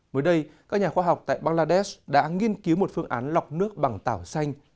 mới đây các nhà khoa học tại bangladesh đã nghiên cứu một phương án lọc nước bằng tảo xanh